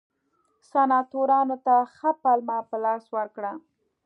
سناتورانو ته ښه پلمه په لاس ورکړه.